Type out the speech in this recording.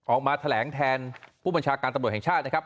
ออกมาแถลงแทนผู้บัญชาการตำรวจแห่งชาตินะครับ